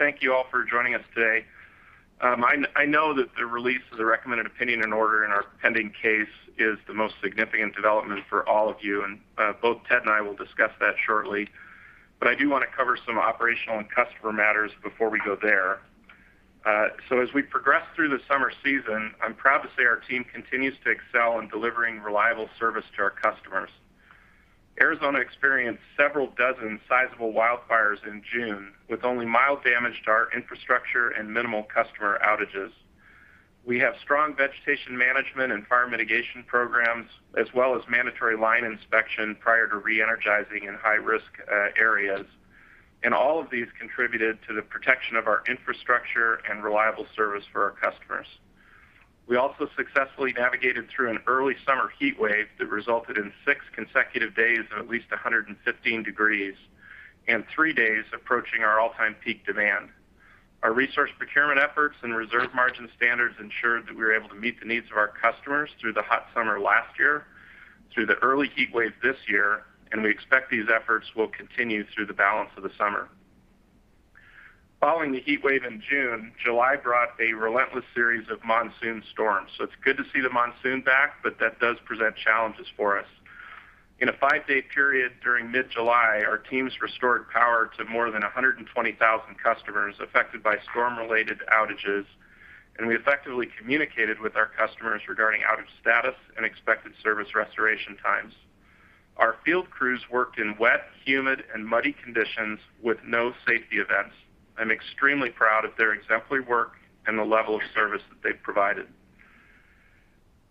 Thank you all for joining us today. I know that the release of the recommended opinion and order in our pending case is the most significant development for all of you, and both Ted and I will discuss that shortly, but I do want to cover some operational and customer matters before we go there. As we progress through the summer season, I'm proud to say our team continues to excel in delivering reliable service to our customers. Arizona experienced several dozen sizable wildfires in June with only mild damage to our infrastructure and minimal customer outages. We have strong vegetation management and fire mitigation programs, as well as mandatory line inspection prior to re-energizing in high-risk areas. All of these contributed to the protection of our infrastructure and reliable service for our customers. We also successfully navigated through an early summer heat wave that resulted in six consecutive days of at least 115 degrees and three days approaching our all-time peak demand. Our resource procurement efforts and reserve margin standards ensured that we were able to meet the needs of our customers through the hot summer last year, through the early heat wave this year, and we expect these efforts will continue through the balance of the summer. Following the heat wave in June, July brought a relentless series of monsoon storms. It's good to see the monsoon back, but that does present challenges for us. In a five-day period during mid-July, our teams restored power to more than 120,000 customers affected by storm-related outages, and we effectively communicated with our customers regarding outage status and expected service restoration times. Our field crews worked in wet, humid, and muddy conditions with no safety events. I'm extremely proud of their exemplary work and the level of service that they've provided.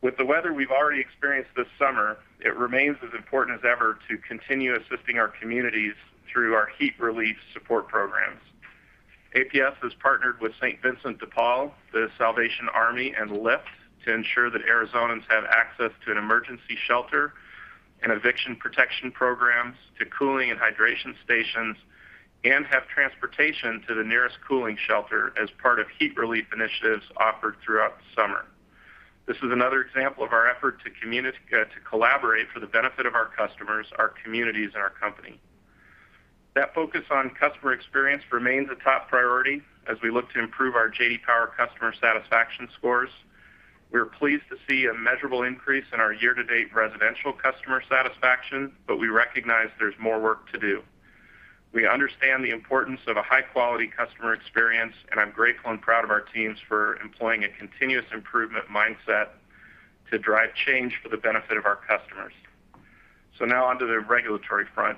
With the weather we've already experienced this summer, it remains as important as ever to continue assisting our communities through our heat relief support programs. APS has partnered with St. Vincent de Paul, the Salvation Army, and Lyft to ensure that Arizonans have access to an emergency shelter and eviction protection programs, to cooling and hydration stations, and have transportation to the nearest cooling shelter as part of heat relief initiatives offered throughout the summer. This is another example of our effort to collaborate for the benefit of our customers, our communities, and our company. That focus on customer experience remains a top priority as we look to improve our J.D. Power customer satisfaction scores. We are pleased to see a measurable increase in our year-to-date residential customer satisfaction, but we recognize there's more work to do. We understand the importance of a high-quality customer experience, and I'm grateful and proud of our teams for employing a continuous improvement mindset to drive change for the benefit of our customers. Now, onto the regulatory front.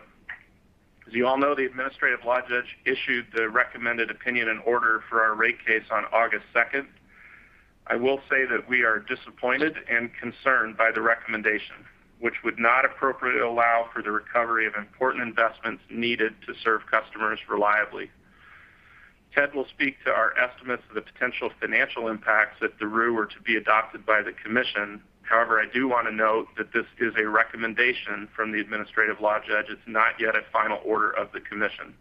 As you all know, the administrative law judge issued the recommended opinion and order for our rate case on August 2nd. I will say that we are disappointed and concerned by the recommendation, which would not appropriately allow for the recovery of important investments needed to serve customers reliably. Ted will speak to our estimates of the potential financial impacts if the ROO were to be adopted by the Commission. I do want to note that this is a recommendation from the administrative law judge. It's not yet a final order of the Commission.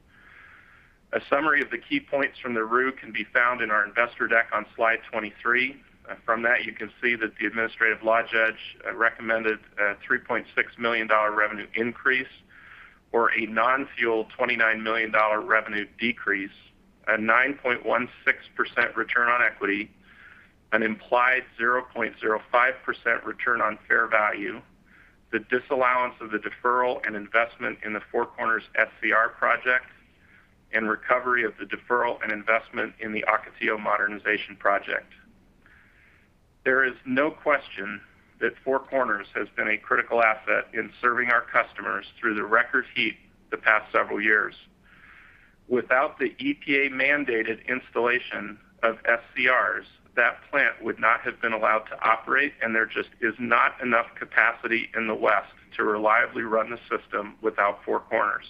A summary of the key points from the ROO can be found in our investor deck on slide 23. From that, you can see that the administrative law judge recommended a $3.6 million revenue increase or a non-fuel $29 million revenue decrease, a 9.16% return on equity, an implied 0.05% return on fair value, the disallowance of the deferral and investment in the Four Corners SCR project, and recovery of the deferral and investment in the Ocotillo modernization project. There is no question that Four Corners has been a critical asset in serving our customers through the record heat the past several years. Without the EPA-mandated installation of SCRs, that plant would not have been allowed to operate. There just is not enough capacity in the West to reliably run the system without Four Corners.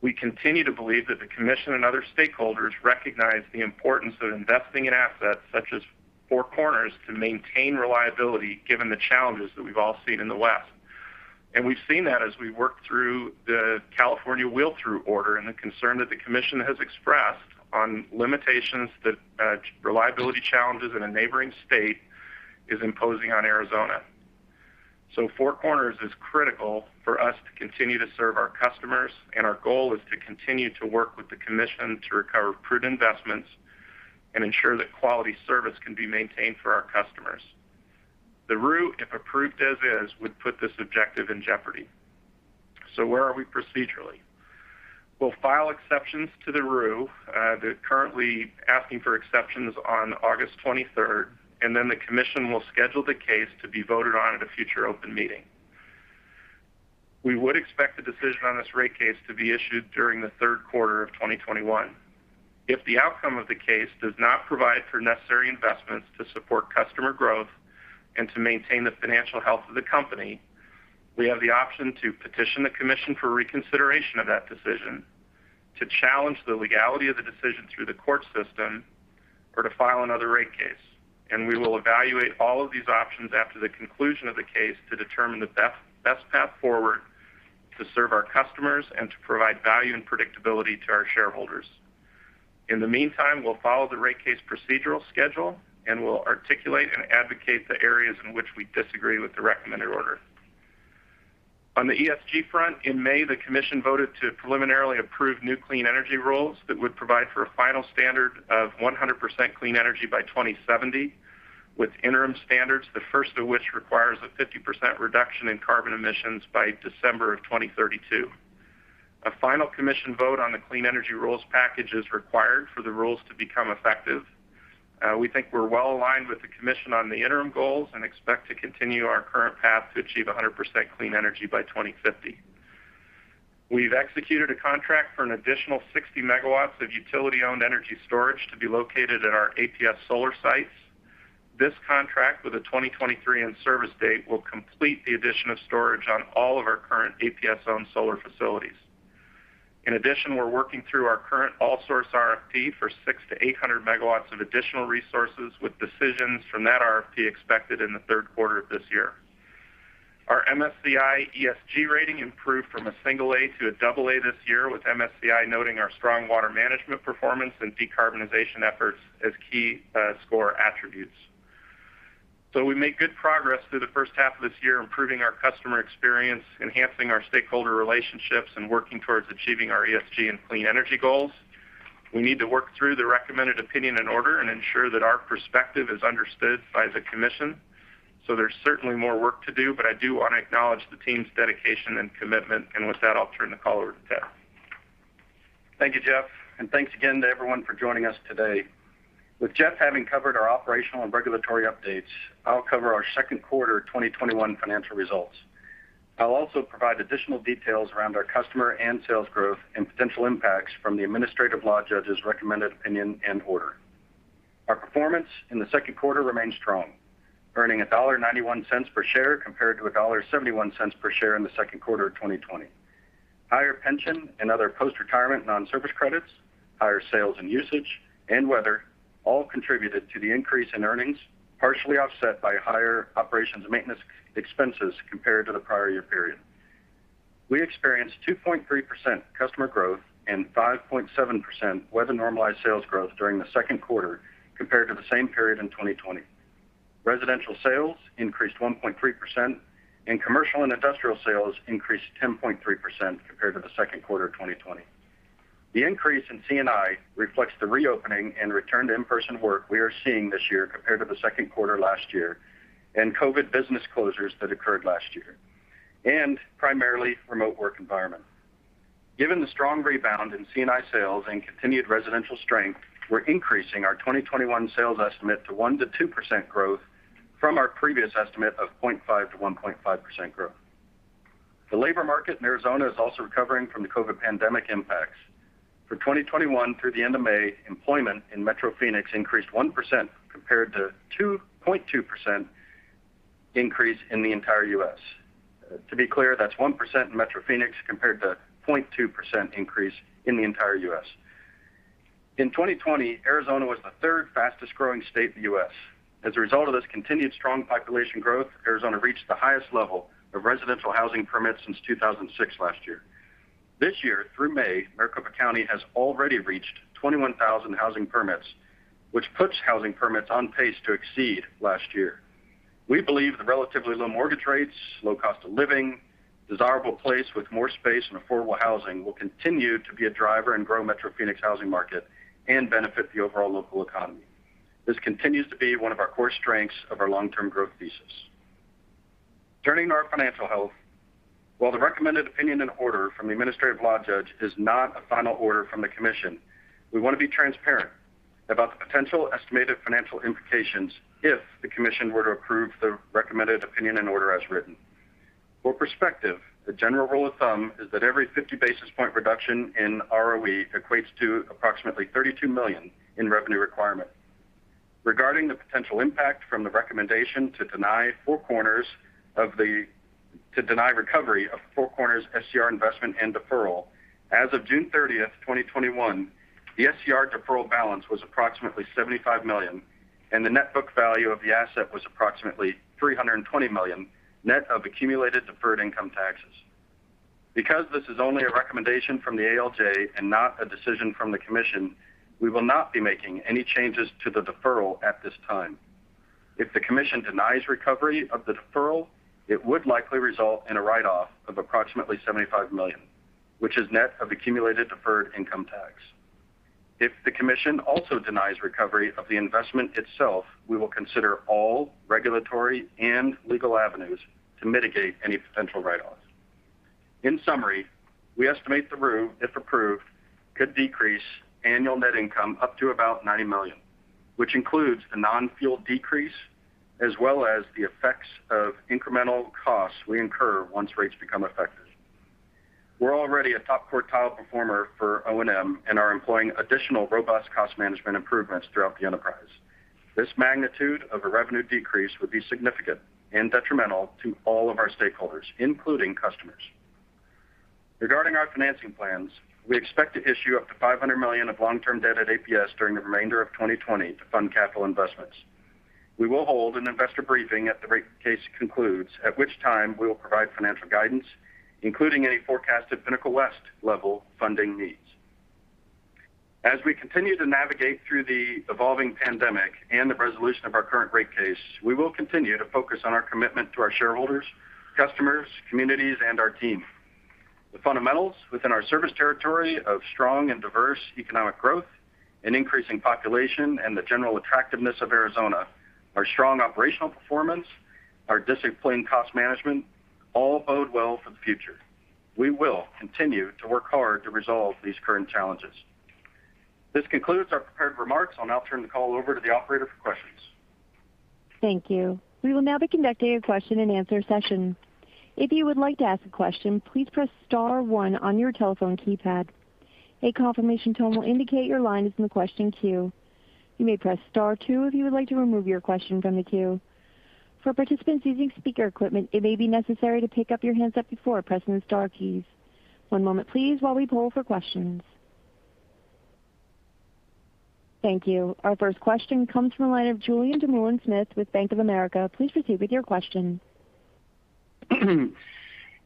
We continue to believe that the Commission and other stakeholders recognize the importance of investing in assets such as Four Corners to maintain reliability given the challenges that we've all seen in the West. We've seen that as we work through the CAISO wheel-through order and the concern that the Commission has expressed on limitations that reliability challenges in a neighboring state is imposing on Arizona. Four Corners is critical for us to continue to serve our customers, and our goal is to continue to work with the Commission to recover prudent investments and ensure that quality service can be maintained for our customers. The ROO, if approved as is, would put this objective in jeopardy. Where are we procedurally? We'll file exceptions to the ROO. They're currently asking for exceptions on August 23rd, and then the commission will schedule the case to be voted on at a future open meeting. We would expect a decision on this rate case to be issued during the third quarter of 2021. If the outcome of the case does not provide for necessary investments to support customer growth and to maintain the financial health of the company, we have the option to petition the commission for reconsideration of that decision, to challenge the legality of the decision through the court system, or to file another rate case. We will evaluate all of these options after the conclusion of the case to determine the best path forward to serve our customers and to provide value and predictability to our shareholders. In the meantime, we'll follow the rate case procedural schedule, and we'll articulate and advocate the areas in which we disagree with the recommended order. On the ESG front, in May, the commission voted to preliminarily approve new clean energy rules that would provide for a final standard of 100% clean energy by 2070, with interim standards, the first of which requires a 50% reduction in carbon emissions by December of 2032. A final commission vote on the clean energy rules package is required for the rules to become effective. We think we're well-aligned with the commission on the interim goals and expect to continue our current path to achieve 100% clean energy by 2050. We've executed a contract for an additional 60 MW of utility-owned energy storage to be located at our APS solar sites. This contract, with a 2023 in-service date, will complete the addition of storage on all of our current APS-owned solar facilities. We're working through our current all source RFP for 6 MW-800 MW of additional resources, with decisions from that RFP expected in the third quarter of this year. Our MSCI ESG rating improved from a single A to a double A this year, with MSCI noting our strong water management performance and decarbonization efforts as key score attributes. We made good progress through the first half of this year, improving our customer experience, enhancing our stakeholder relationships, and working towards achieving our ESG and clean energy goals. We need to work through the recommended opinion and order and ensure that our perspective is understood by the commission. There's certainly more work to do, but I do want to acknowledge the team's dedication and commitment. With that, I'll turn the call over to Ted. Thank you, Jeff, and thanks again to everyone for joining us today. With Jeff having covered our operational and regulatory updates, I'll cover our second quarter 2021 financial results. I'll also provide additional details around our customer and sales growth and potential impacts from the administrative law judge's recommended opinion and order. Our performance in the second quarter remained strong, earning $1.91 per share compared to $1.71 per share in the second quarter of 2020. Higher pension and other post-retirement non-service credits, higher sales and usage, and weather all contributed to the increase in earnings, partially offset by higher operations and maintenance expenses compared to the prior year period. We experienced 2.3% customer growth and 5.7% weather-normalized sales growth during the second quarter compared to the same period in 2020. Residential sales increased 1.3%, and commercial and industrial sales increased 10.3% compared to the second quarter of 2020. The increase in C&I reflects the reopening and return to in-person work we are seeing this year compared to the second quarter last year, and COVID business closures that occurred last year, and primarily remote work environment. Given the strong rebound in C&I sales and continued residential strength, we're increasing our 2021 sales estimate to 1%-2% growth from our previous estimate of 0.5%-1.5% growth. The labor market in Arizona is also recovering from the COVID pandemic impacts. For 2021 through the end of May, employment in Metro Phoenix increased 1% compared to 2.2% increase in the entire U.S. To be clear, that's 1% in Metro Phoenix compared to 0.2% increase in the entire U.S. In 2020, Arizona was the third fastest-growing state in the U.S. As a result of this continued strong population growth, Arizona reached the highest level of residential housing permits since 2006 last year. This year, through May, Maricopa County has already reached 21,000 housing permits, which puts housing permits on pace to exceed last year. We believe the relatively low mortgage rates, low cost of living, desirable place with more space and affordable housing will continue to be a driver and grow Metro Phoenix housing market and benefit the overall local economy. This continues to be one of our core strengths of our long-term growth thesis. Turning to our financial health, while the recommended opinion and order from the administrative law judge is not a final order from the commission, we want to be transparent about the potential estimated financial implications if the commission were to approve the recommended opinion and order as written. For perspective, the general rule of thumb is that every 50 basis point reduction in ROE equates to approximately $32 million in revenue requirement. Regarding the potential impact from the recommendation to deny recovery of Four Corners' SCR investment and deferral, as of June 30th, 2021, the SCR deferral balance was approximately $75 million, and the net book value of the asset was approximately $320 million, net of accumulated deferred income taxes. Because this is only a recommendation from the ALJ and not a decision from the commission, we will not be making any changes to the deferral at this time. If the commission denies recovery of the deferral, it would likely result in a write-off of approximately $75 million, which is net of accumulated deferred income tax. If the commission also denies recovery of the investment itself, we will consider all regulatory and legal avenues to mitigate any potential write-offs. In summary, we estimate the ROO, if approved, could decrease annual net income up to about $90 million, which includes a non-fuel decrease, as well as the effects of incremental costs we incur once rates become effective. We're already a top quartile performer for O&M and are employing additional robust cost management improvements throughout the enterprise. This magnitude of a revenue decrease would be significant and detrimental to all of our stakeholders, including customers. Regarding our financing plans, we expect to issue up to $500 million of long-term debt at APS during the remainder of 2020 to fund capital investments. We will hold an investor briefing as the rate case concludes, at which time we will provide financial guidance, including any forecast of Pinnacle West-level funding needs. As we continue to navigate through the evolving pandemic and the resolution of our current rate case, we will continue to focus on our commitment to our shareholders, customers, communities, and our team. The fundamentals within our service territory of strong and diverse economic growth and increasing population and the general attractiveness of Arizona, our strong operational performance, our disciplined cost management all bode well for the future. We will continue to work hard to resolve these current challenges. This concludes our prepared remarks. I'll now turn the call over to the operator for questions. Thank you. We will now be conducting a question and answer session. Thank you. Our first question comes from the line of Julien Dumoulin-Smith with Bank of America. Please proceed with your question.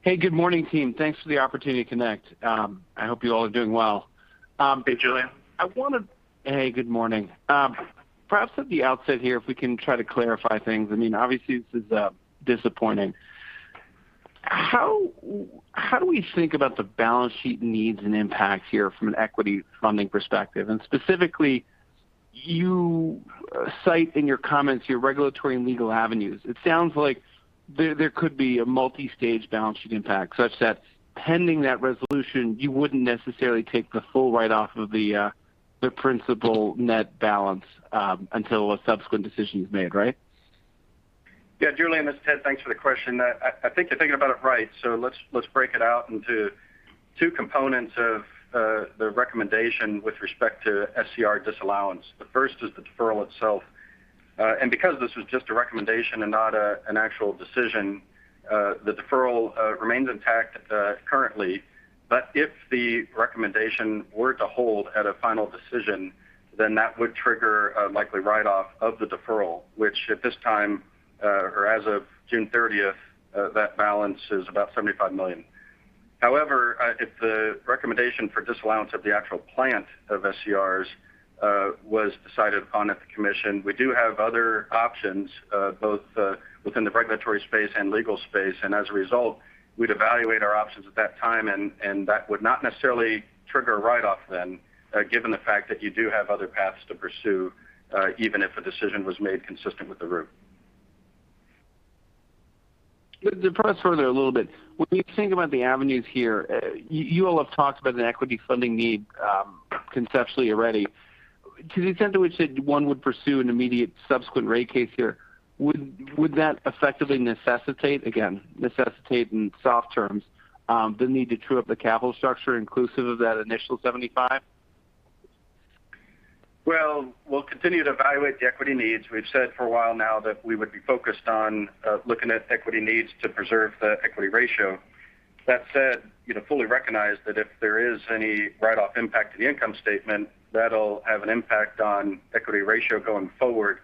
Hey, good morning, team. Thanks for the opportunity to connect. I hope you all are doing well. Hey, Julien. Good morning. Perhaps at the outset here, if we can try to clarify things. Obviously, this is disappointing. How do we think about the balance sheet needs and impact here from an equity funding perspective? Specifically, you cite in your comments your regulatory and legal avenues. It sounds like there could be a multi-stage balance sheet impact such that pending that resolution, you wouldn't necessarily take the full write-off of the principal net balance until a subsequent decision is made, right? Julien, this is Ted. Thanks for the question. I think you're thinking about it right. Let's break it out into two components of the recommendation with respect to SCR disallowance. The first is the deferral itself. Because this was just a recommendation and not an actual decision, the deferral remains intact currently. If the recommendation were to hold at a final decision, that would trigger a likely write-off of the deferral, which at this time, or as of June 30th, that balance is about $75 million. However, if the recommendation for disallowance of the actual plant of SCRs was decided upon at the Commission, we do have other options, both within the regulatory space and legal space. As a result, we'd evaluate our options at that time, and that would not necessarily trigger a write-off then, given the fact that you do have other paths to pursue, even if a decision was made consistent with the ROO. To press further a little bit, when you think about the avenues here, you all have talked about an equity funding need conceptually already. To the extent to which that one would pursue an immediate subsequent rate case here, would that effectively necessitate, again, necessitate in soft terms, the need to true up the capital structure inclusive of that initial $75? Well, we'll continue to evaluate the equity needs. We've said for a while now that we would be focused on looking at equity needs to preserve the equity ratio. That said, fully recognize that if there is any write-off impact to the income statement, that'll have an impact on equity ratio going forward.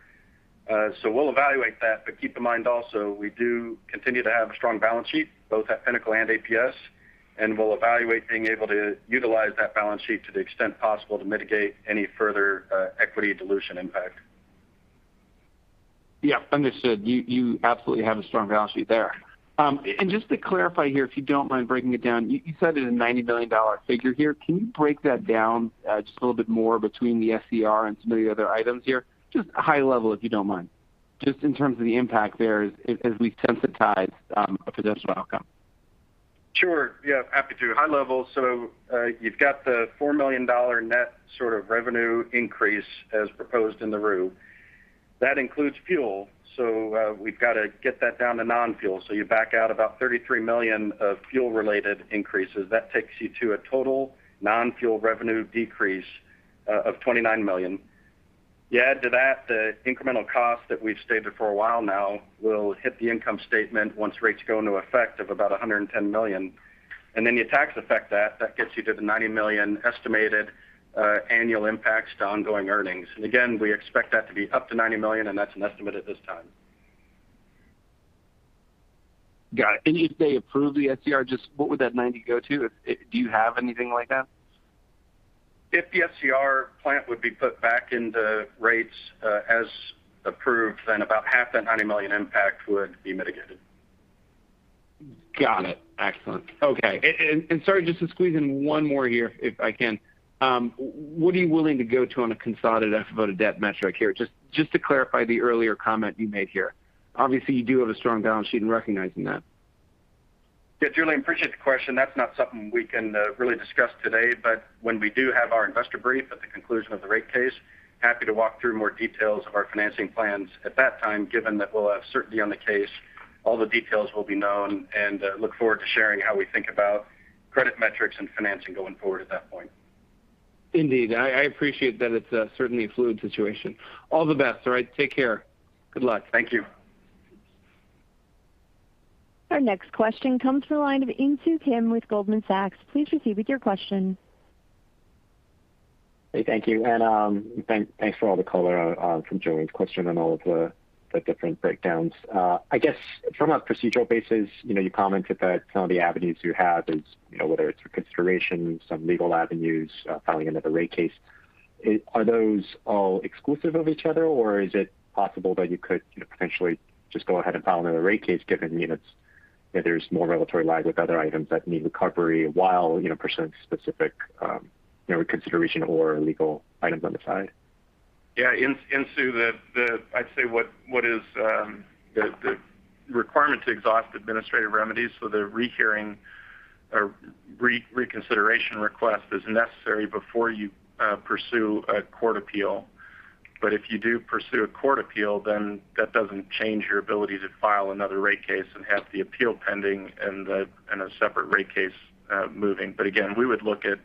We'll evaluate that, but keep in mind also, we do continue to have a strong balance sheet, both at Pinnacle and APS, and we'll evaluate being able to utilize that balance sheet to the extent possible to mitigate any further equity dilution impact. Yeah. Understood. You absolutely have a strong balance sheet there. Just to clarify here, if you don't mind breaking it down, you said it was a $90 million figure here. Can you break that down just a little bit more between the SCR and some of the other items here? Just high level, if you don't mind. Just in terms of the impact there as we've sensitized a potential outcome. Sure. Yeah. Happy to. High level. You've got the $4 million net sort of revenue increase as proposed in the ROO. That includes fuel. We've got to get that down to non-fuel. You back out about $33 million of fuel-related increases. That takes you to a total non-fuel revenue decrease of $29 million. You add to that the incremental cost that we've stated for a while now will hit the income statement once rates go into effect of about $110 million. You tax affect that gets you to the $90 million estimated annual impacts to ongoing earnings. Again, we expect that to be up to $90 million, and that's an estimate at this time. Got it. If they approve the SCR, just what would that 90 go to? Do you have anything like that? If the SCR plant would be put back into rates as approved, then about half that $90 million impact would be mitigated. Got it. Excellent. Okay. Sorry, just to squeeze in one more here if I can. What are you willing to go to on a consolidated FFO to debt metric here? Just to clarify the earlier comment you made here. Obviously, you do have a strong balance sheet in recognizing that. Yeah. Julien, appreciate the question. That's not something we can really discuss today. When we do have our investor brief at the conclusion of the rate case, happy to walk through more details of our financing plans at that time given that we'll have certainty on the case. All the details will be known and look forward to sharing how we think about credit metrics and financing going forward at that point. Indeed. I appreciate that it's a certainly fluid situation. All the best. All right. Take care. Good luck. Thank you. Our next question comes from the line of Insoo Kim with Goldman Sachs. Please proceed with your question. Hey, thank you. Thanks for all the color from Julien's question and all of the different breakdowns. I guess from a procedural basis, you commented that some of the avenues you have is whether it's a consideration, some legal avenues, filing another rate case. Are those all exclusive of each other, or is it possible that you could potentially just go ahead and file another rate case, given that there's more regulatory lag with other items that need recovery while pursuing specific reconsideration or legal items on the side? Insoo, I'd say what is the requirement to exhaust administrative remedies, the rehearing or reconsideration request is necessary before you pursue a court appeal. If you do pursue a court appeal, that doesn't change your ability to file another rate case and have the appeal pending and a separate rate case moving. Again, we would look at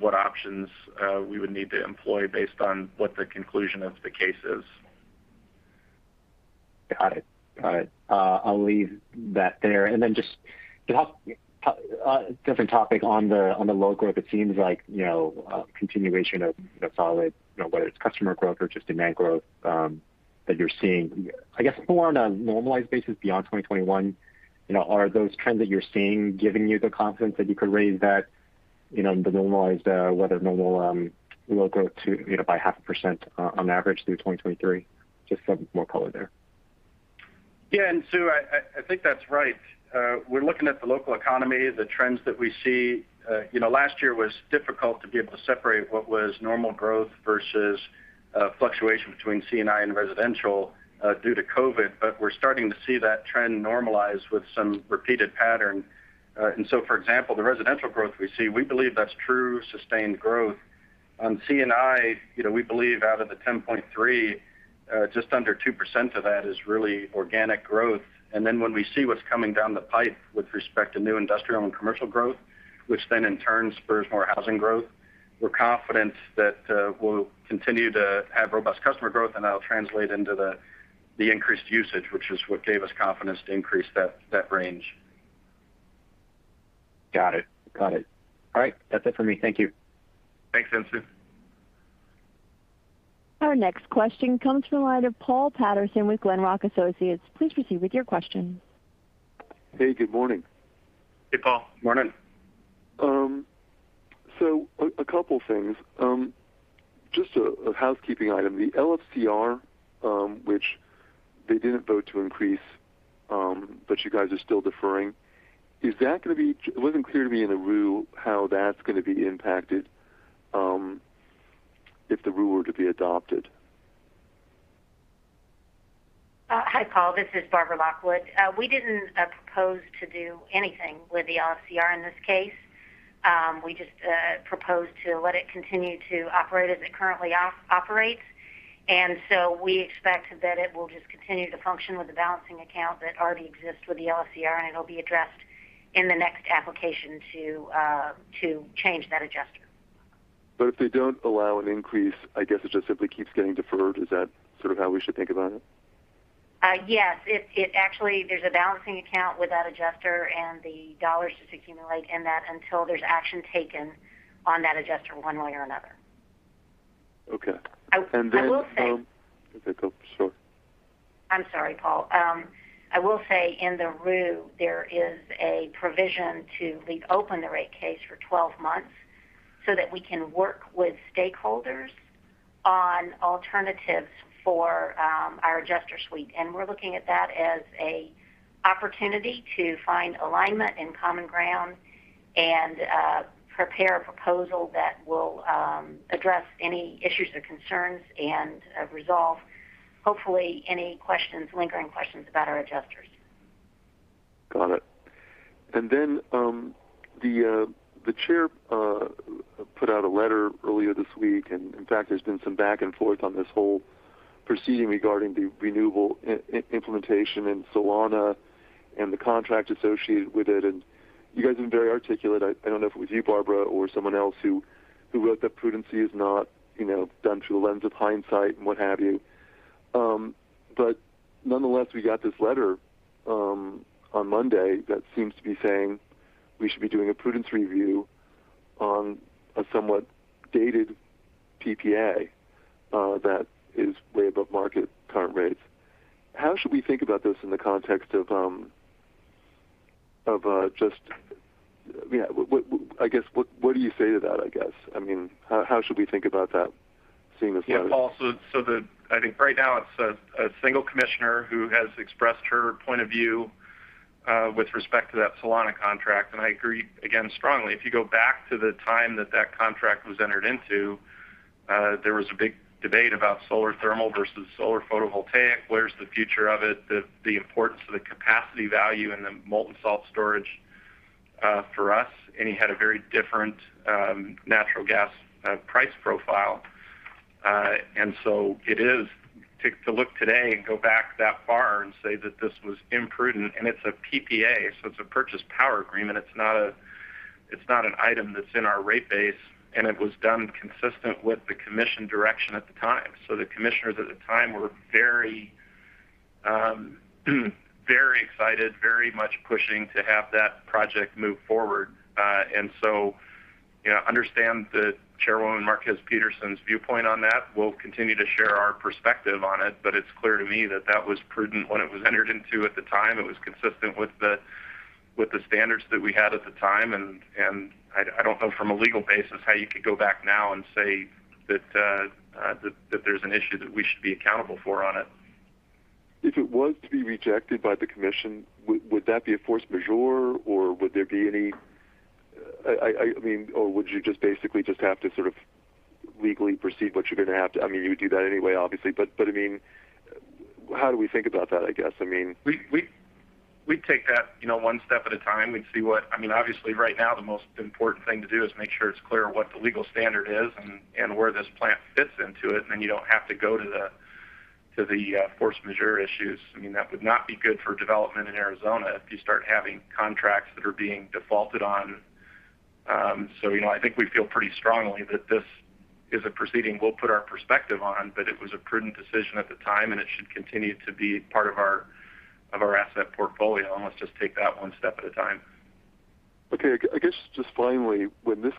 what options we would need to employ based on what the conclusion of the case is. Got it. I'll leave that there. Just a different topic on the ROE, if it seems like continuation of solid, whether it's customer growth or just demand growth that you're seeing. I guess more on a normalized basis beyond 2021, are those trends that you're seeing giving you the confidence that you could raise that in the normalized, whether normal ROE by half a percent on average through 2023? Just some more color there. Yeah. Insoo, I think that's right. We're looking at the local economy, the trends that we see. Last year was difficult to be able to separate what was normal growth versus fluctuation between C&I and residential due to COVID, but we're starting to see that trend normalize with some repeated pattern. For example, the residential growth we see, we believe that's true sustained growth. On C&I, we believe out of the 10.3, just under 2% of that is really organic growth. When we see what's coming down the pipe with respect to new industrial and commercial growth, which then in turn spurs more housing growth, we're confident that we'll continue to have robust customer growth, and that'll translate into the increased usage, which is what gave us confidence to increase that range. Got it. All right. That's it for me. Thank you. Thanks, Insoo Kim. Our next question comes from the line of Paul Patterson with Glenrock Associates. Please proceed with your question. Hey, good morning. Hey, Paul. Morning. A couple things. Just a housekeeping item. The LFCR which they didn't vote to increase, but you guys are still deferring. It wasn't clear to me in the rule how that's going to be impacted if the rule were to be adopted? Hi, Paul. This is Barbara Lockwood. We didn't propose to do anything with the LFCR in this case. We just proposed to let it continue to operate as it currently operates. We expect that it will just continue to function with the balancing account that already exists with the LFCR, and it'll be addressed in the next application to change that adjuster. If they don't allow an increase, I guess it just simply keeps getting deferred. Is that sort of how we should think about it? Yes. Actually, there's a balancing account with that adjuster, and the dollars just accumulate in that until there's action taken on that adjuster one way or another. Okay. I will say- If I could. Sure. I'm sorry, Paul. I will say in the rule, there is a provision to leave open the rate case for 12 months so that we can work with stakeholders on alternatives for our adjuster suite. We're looking at that as an opportunity to find alignment and common ground and prepare a proposal that will address any issues or concerns and resolve, hopefully, any lingering questions about our adjusters. Got it. Then, the Chair put out a letter earlier this week, and in fact, there's been some back and forth on this whole proceeding regarding the renewable implementation in Solana and the contract associated with it, and you guys have been very articulate. I don't know if it was you, Barbara, or someone else who wrote that prudency is not done through the lens of hindsight and what have you. Nonetheless, we got this letter on Monday that seems to be saying we should be doing a prudence review on a somewhat dated PPA that is way above market current rates. How should we think about this in the context of I guess, what do you say to that, I guess? How should we think about that, seeing this letter? Paul, I think right now it's a single commissioner who has expressed her point of view with respect to that Solana contract. I agree again, strongly. If you go back to the time that that contract was entered into, there was a big debate about solar thermal versus solar photovoltaic. Where's the future of it? The importance of the capacity value and the molten salt storage for us, it had a very different natural gas price profile. To look today and go back that far and say that this was imprudent, it's a PPA, so it's a purchase power agreement. It's not an item that's in our rate base. It was done consistent with the commission direction at the time. The commissioners at the time were very excited, very much pushing to have that project move forward. Understand the Chairwoman Márquez Peterson's viewpoint on that. We'll continue to share our perspective on it, but it's clear to me that was prudent when it was entered into at the time. It was consistent with the standards that we had at the time, and I don't know from a legal basis how you could go back now and say that there's an issue that we should be accountable for on it. If it was to be rejected by the commission, would that be a force majeure, or would you just basically have to sort of legally proceed You would do that anyway, obviously, but how do we think about that? We'd take that one step at a time. Obviously, right now, the most important thing to do is make sure it's clear what the legal standard is and where this plant fits into it, and then you don't have to go to the force majeure issues. That would not be good for development in Arizona if you start having contracts that are being defaulted on. I think we feel pretty strongly that this is a proceeding we'll put our perspective on, but it was a prudent decision at the time, and it should continue to be part of our asset portfolio, and let's just take that one step at a time. Okay. I guess just finally, I've been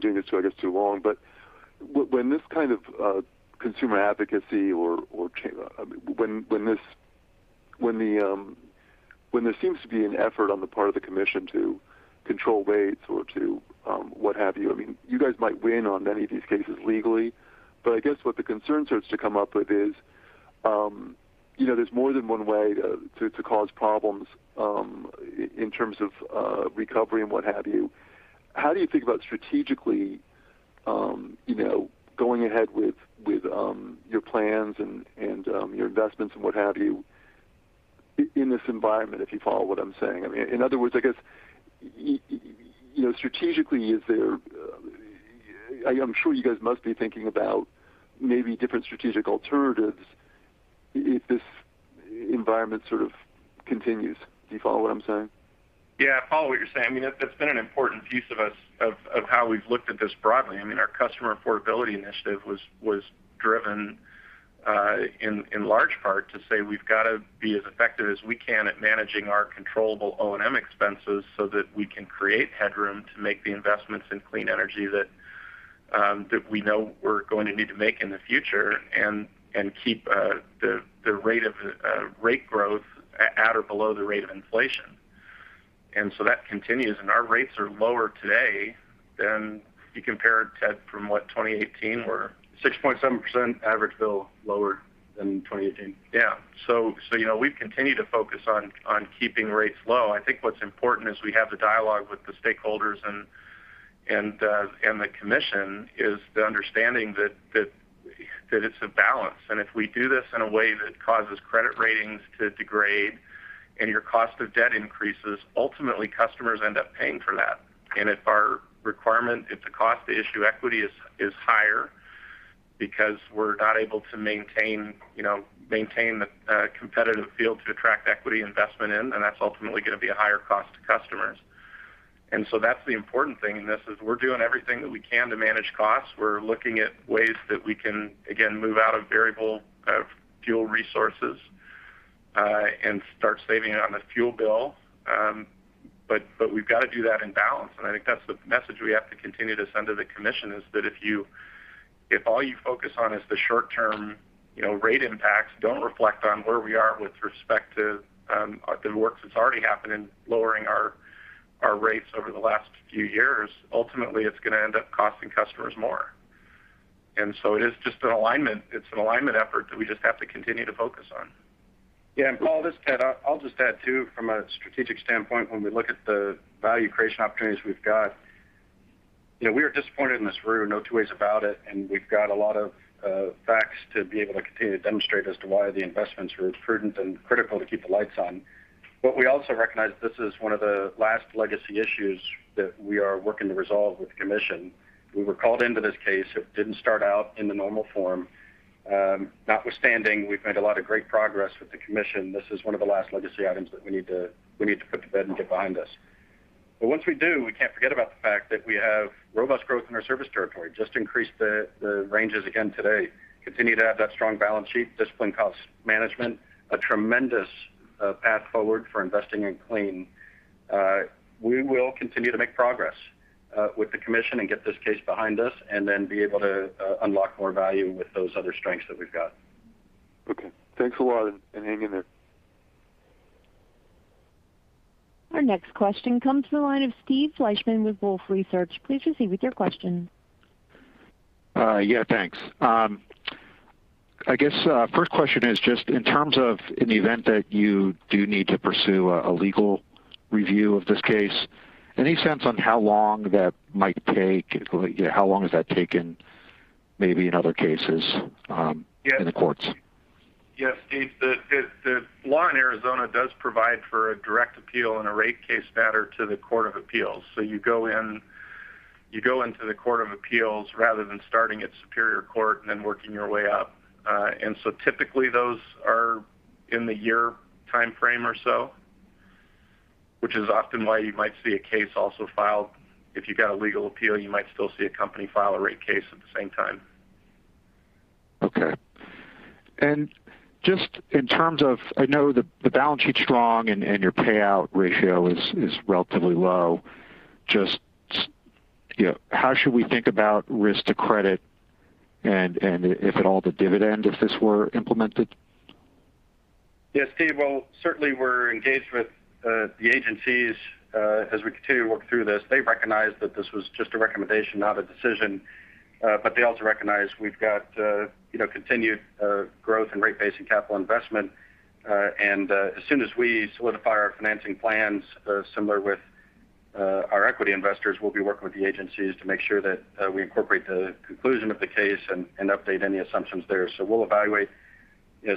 doing this, I guess, too long, but when there seems to be an effort on the part of the commission to control rates or to what have you guys might win on many of these cases legally. I guess what the concern starts to come up with is, there's more than one way to cause problems in terms of recovery and what have you. How do you think about strategically going ahead with your plans and your investments and what have you in this environment, if you follow what I'm saying? In other words, I guess strategically, I am sure you guys must be thinking about maybe different strategic alternatives if this environment sort of continues. Do you follow what I'm saying? Yeah, I follow what you're saying. That's been an important piece of how we've looked at this broadly. Our customer affordability initiative was driven in large part to say we've got to be as effective as we can at managing our controllable O&M expenses so that we can create headroom to make the investments in clean energy that we know we're going to need to make in the future and keep the rate growth at or below the rate of inflation. That continues, and our rates are lower today than if you compare it, Ted, from what, 2018 were? 6.7% average bill lower than 2018. We've continued to focus on keeping rates low. I think what's important as we have the dialogue with the stakeholders and the commission is the understanding that it's a balance. If we do this in a way that causes credit ratings to degrade and your cost of debt increases, ultimately, customers end up paying for that. If the cost to issue equity is higher because we're not able to maintain the competitive field to attract equity investment in, then that's ultimately going to be a higher cost to customers. That's the important thing in this is we're doing everything that we can to manage costs. We're looking at ways that we can, again, move out of variable fuel resources and start saving on the fuel bill. We've got to do that in balance, and I think that's the message we have to continue to send to the Commission is that if all you focus on is the short-term rate impacts, don't reflect on where we are with respect to the work that's already happened in lowering our rates over the last few years. Ultimately, it's going to end up costing customers more. It is just an alignment. It's an alignment effort that we just have to continue to focus on. Yeah. Paul, I'll just add, too, from a strategic standpoint, when we look at the value creation opportunities we've got, we are disappointed in this ruling, no two ways about it, and we've got a lot of facts to be able to continue to demonstrate as to why the investments were prudent and critical to keep the lights on. We also recognize that this is 1 of the last legacy issues that we are working to resolve with the Commission. We were called into this case. It didn't start out in the normal form. Notwithstanding, we've made a lot of great progress with the Commission. This is one of the last legacy items that we need to put to bed and get behind us. Once we do, we can't forget about the fact that we have robust growth in our service territory. Just increased the ranges again today. Continue to have that strong balance sheet, disciplined cost management, a tremendous path forward for investing in clean. We will continue to make progress with the Commission and get this case behind us and then be able to unlock more value with those other strengths that we've got. Okay. Thanks a lot, and hang in there. Our next question comes to the line of Steve Fleishman with Wolfe Research. Please proceed with your question. Yeah, thanks. I guess first question is just in terms of in the event that you do need to pursue a legal review of this case, any sense on how long that might take? How long has that taken maybe in other cases in the courts? Yes, Steve. The law in Arizona does provide for a direct appeal in a rate case matter to the Court of Appeals. You go into the Court of Appeals rather than starting at Superior Court and then working your way up. Typically, those are in the year timeframe or so, which is often why you might see a case also filed. If you got a legal appeal, you might still see a company file a rate case at the same time. Okay. Just in terms of, I know the balance sheet's strong and your payout ratio is relatively low. Just how should we think about risk to credit and, if at all, the dividend, if this were implemented? Yes, Steve. Well, certainly, we're engaged with the agencies as we continue to work through this. They recognized that this was just a recommendation, not a decision. They also recognize we've got continued growth in rate base and capital investment. As soon as we solidify our financing plans, similar with our equity investors, we'll be working with the agencies to make sure that we incorporate the conclusion of the case and update any assumptions there. We'll evaluate,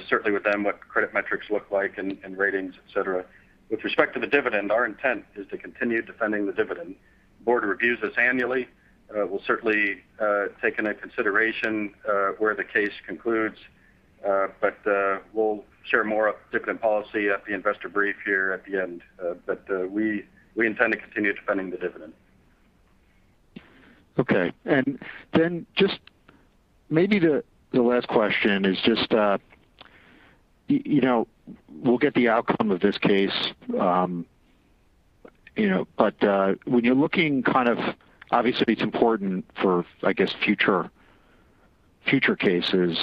certainly with them, what the credit metrics look like and ratings, et cetera. With respect to the dividend, our intent is to continue defending the dividend. The board reviews this annually. We'll certainly take into consideration where the case concludes. We'll share more of the dividend policy at the investor brief here at the end. We intend to continue defending the dividend. Okay. Just maybe the last question is just, we'll get the outcome of this case. When you're looking kind of. Obviously, it's important for, I guess, future cases.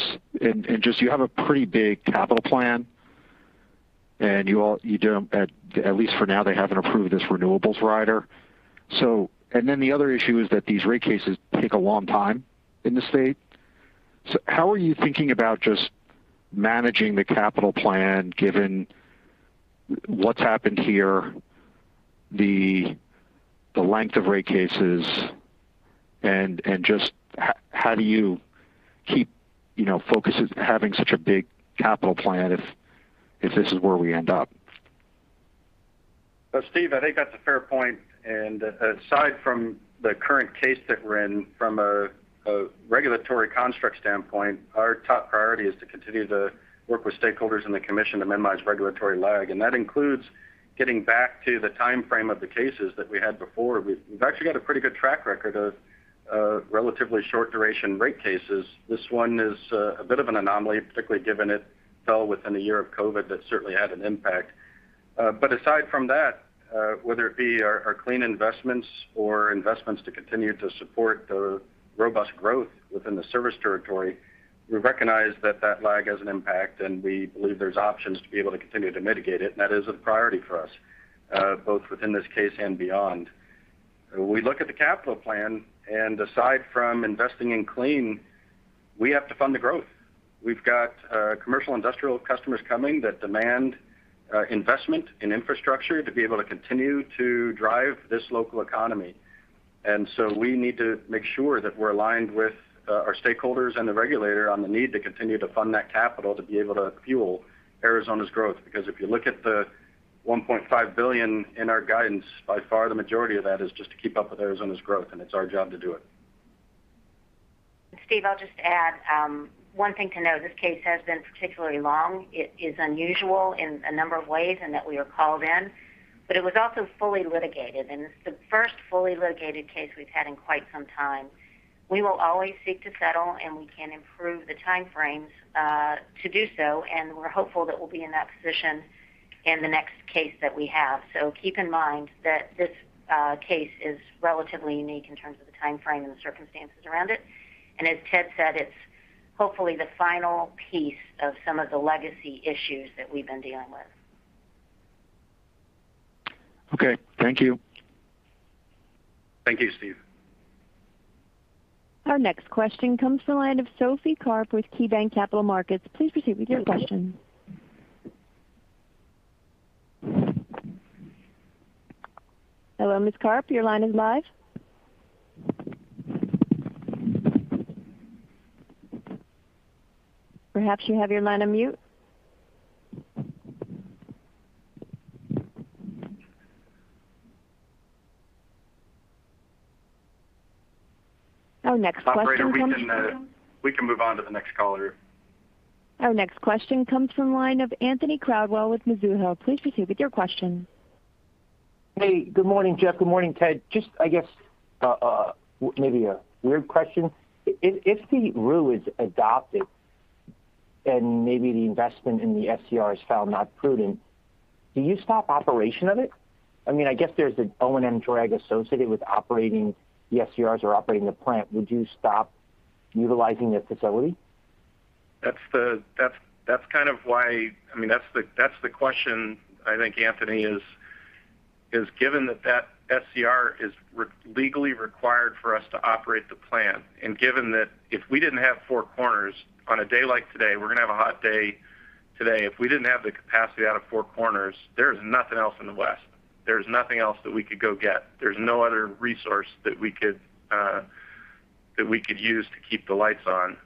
Just, you have a pretty big capital plan, and at least for now, they haven't approved this renewables rider. The other issue is that these rate cases take a long time in the state. How are you thinking about just managing the capital plan, given what's happened here, the length of rate cases, and just how do you keep focusing on having such a big capital plan if this is where we end up? Steve, I think that's a fair point. Aside from the current case that we're in, from a regulatory construct standpoint, our top priority is to continue to work with stakeholders in the Commission to minimize regulatory lag. That includes getting back to the timeframe of the cases that we had before. We've actually got a pretty good track record of relatively short-duration rate cases. This one is a bit of an anomaly, particularly given it fell within a year of COVID. That certainly had an impact. Aside from that, whether it be our clean investments or investments to continue to support the robust growth within the service territory, we recognize that that lag has an impact, and we believe there's options to be able to continue to mitigate it, and that is a priority for us, both within this case and beyond. We look at the capital plan, aside from investing in clean, we have to fund the growth. We've got commercial industrial customers coming that demand investment in infrastructure to be able to continue to drive this local economy. We need to make sure that we're aligned with our stakeholders and the regulator on the need to continue to fund that capital to be able to fuel Arizona's growth. If you look at the $1.5 billion in our guidance, by far the majority of that is just to keep up with Arizona's growth, and it's our job to do it. Steve, I'll just add one thing to note. This case has been particularly long. It is unusual in a number of ways in that we were called in. It was also fully litigated, and it's the first fully litigated case we've had in quite some time. We will always seek to settle, and we can improve the timeframes to do so, and we're hopeful that we'll be in that position in the next case that we have. Keep in mind that this case is relatively unique in terms of the timeframe and the circumstances around it. As Ted said, it's hopefully the final piece of some of the legacy issues that we've been dealing with. Okay. Thank you. Thank you, Steve. Our next question comes from the line of Sophie Karp with KeyBanc Capital Markets. Please proceed with your question. Hello, Ms. Karp, your line is live. Perhaps you have your line on mute. Operator, we can move on to the next caller. Our next question comes from the line of Anthony Crowdell with Mizuho. Please proceed with your question. Hey. Good morning, Jeff. Good morning, Ted. Just, I guess, maybe a weird question. If the rule is adopted, and maybe the investment in the SCR is found not prudent, do you stop operation of it? I guess there's an O&M drag associated with operating the SCRs or operating the plant. Would you stop utilizing the facility? That's the question I think, Anthony, is given that that SCR is legally required for us to operate the plant. Given that if we didn't have Four Corners on a day like today, we're going to have a hot day today. If we didn't have the capacity out of Four Corners, there's nothing else in the West. There's nothing else that we could go get. There's no other resource that we could use to keep the lights on.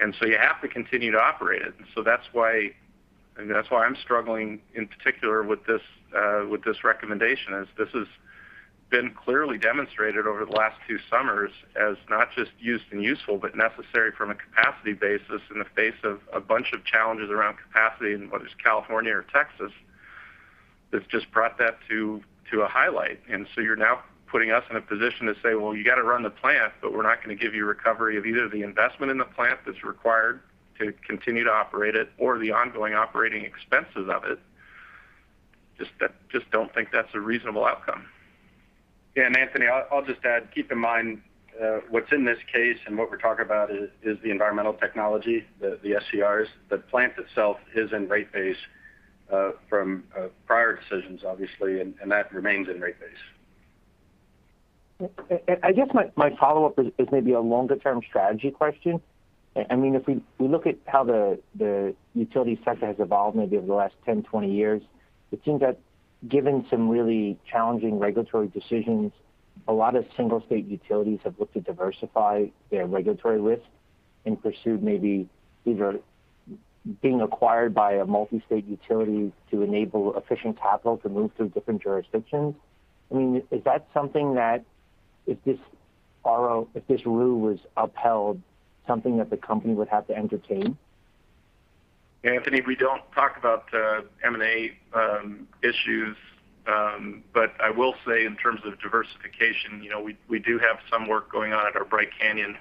You have to continue to operate it. That's why I'm struggling in particular with this recommendation, as this has been clearly demonstrated over the last two summers as not just used and useful, but necessary from a capacity basis in the face of a bunch of challenges around capacity in whether it's California or Texas, that's just brought that to a highlight. You're now putting us in a position to say, "Well, you got to run the plant, but we're not going to give you recovery of either the investment in the plant that's required to continue to operate it or the ongoing operating expenses of it. Just don't think that's a reasonable outcome. Anthony, I'll just add, keep in mind, what's in this case and what we're talking about is the environmental technology, the SCRs. The plant itself is in rate base from prior decisions, obviously, and that remains in rate base. I guess my follow-up is maybe a longer-term strategy question. If we look at how the utility sector has evolved maybe over the last 10, 20 years, it seems that given some really challenging regulatory decisions, a lot of single-state utilities have looked to diversify their regulatory risk and pursued maybe either being acquired by a multi-state utility to enable efficient capital to move through different jurisdictions. Is that something that if this ROO, if this rule was upheld, something that the company would have to entertain? Anthony, we don't talk about M&A issues. I will say in terms of diversification, we do have some work going on at our Bright Canyon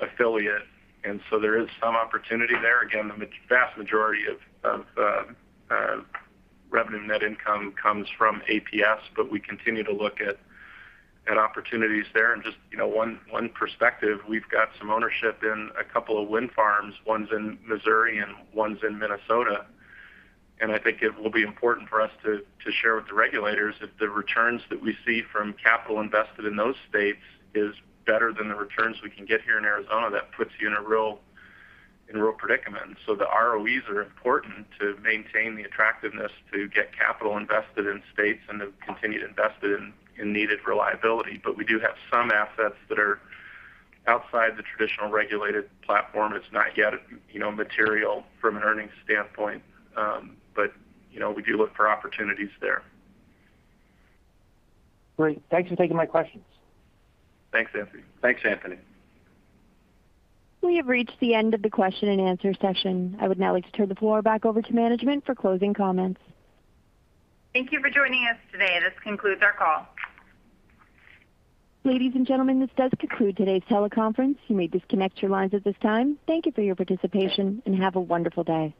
affiliate, and so there is some opportunity there. Again, the vast majority of revenue net income comes from APS, but we continue to look at opportunities there and just one perspective, we've got some ownership in a couple of wind farms. One's in Missouri and one's in Minnesota. I think it will be important for us to share with the regulators if the returns that we see from capital invested in those states is better than the returns we can get here in Arizona. That puts you in a real predicament. The ROEs are important to maintain the attractiveness to get capital invested in states and to continue to invest in needed reliability. We do have some assets that are outside the traditional regulated platform. It's not yet material from an earnings standpoint. We do look for opportunities there. Great. Thanks for taking my questions. Thanks, Anthony. Thanks, Anthony. We have reached the end of the question and answer session. I would now like to turn the floor back over to management for closing comments. Thank you for joining us today. This concludes our call. Ladies and gentlemen, this does conclude today's teleconference. You may disconnect your lines at this time. Thank you for your participation, and have a wonderful day.